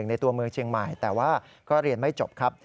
ในตัวเมืองเชียงใหม่แต่ว่าก็เรียนไม่จบครับ